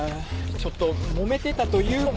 ちょっともめてたというか。